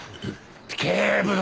警部殿！